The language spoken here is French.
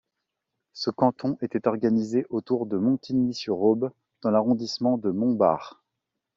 Ce canton était organisé autour de Montigny-sur-Aube dans l'arrondissement de Montbard.